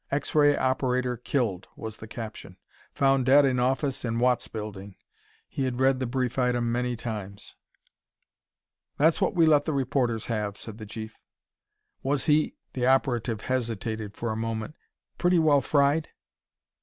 "X ray Operator Killed," was the caption. "Found Dead in Office in Watts Building." He had read the brief item many times. "That's what we let the reporters have," said the Chief. "Was he" the operative hesitated for a moment "pretty well fried?"